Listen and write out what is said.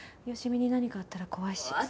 好美に何かあったら怖いし。